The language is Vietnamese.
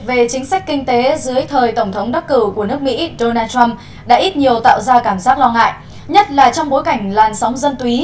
và ưu kiểm soát của mỹ